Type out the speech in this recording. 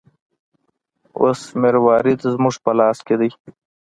اوس مروارید زموږ په لاس کې دی.